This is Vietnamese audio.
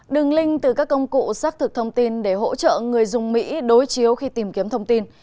đường link từ các công cụ xác thực thông tin để hỗ trợ người dùng mỹ đối chiếu khi tìm kiếm thông tin